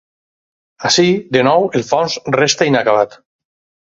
Ací, de nou, el fons restà inacabat.